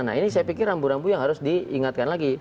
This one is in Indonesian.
nah ini saya pikir rambu rambu yang harus diingatkan lagi